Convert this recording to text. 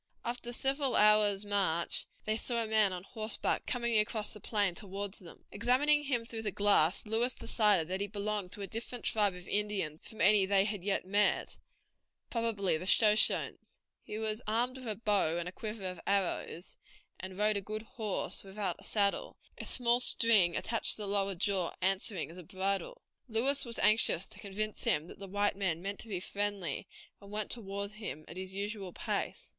After several hours' march they saw a man on horseback coming across the plain toward them; examining him through the glass Lewis decided that he belonged to a different tribe of Indians from any that they had yet met, probably the Shoshones. He was armed with a bow and a quiver of arrows, and rode a good horse without a saddle, a small string attached to the lower jaw answering as a bridle. Lewis was anxious to convince him that the white men meant to be friendly, and went toward him at his usual pace.